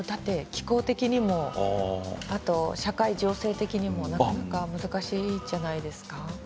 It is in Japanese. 気候的にも社会情勢的にもなかなか難しいんじゃないですか。